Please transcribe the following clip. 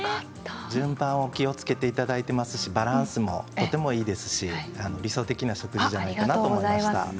順番を気をつけていただいていますし、バランスもとてもいいですし理想的な食事じゃないですかね。